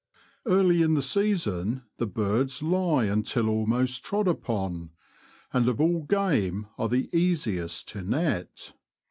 Early in the season the birds lie until almost trod upon, and of all game are the easiest to net.